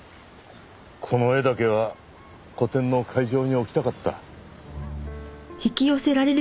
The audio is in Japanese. この絵だけは個展の会場に置きたかった。